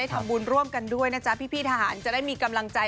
ทำบุญร่วมกันด้วยนะจ๊ะพี่ทหารจะได้มีกำลังใจ